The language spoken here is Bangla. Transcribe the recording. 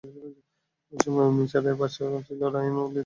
ঐ সময় মিসরের বাদশাহ ছিলেন রায়্যান ইবন ওলীদ, তিনি ছিলেন আমালিক বংশোদ্ভূত।